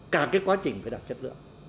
cả cái quá trình phải đạt chất lượng